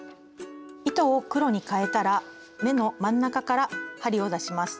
糸を黒にかえたら目の真ん中から針を出します。